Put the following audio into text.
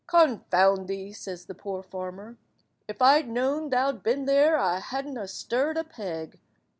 "Confound thee," says the poor farmer, "if I'd known thou'd been there I wadn't ha stirrid a peg.